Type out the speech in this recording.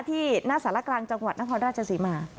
ที่หน้าสารกลางจังหวัดนครราชศรีมา